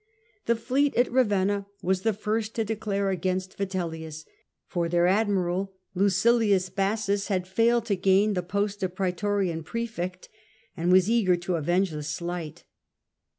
The fleet at Ravenna was the first to declare against Vitellius, for their ad The trea miral, Lucilius Bassus, had failed to gain the post of praetorian praefcct, and was eager to Caedna, avenge the slight.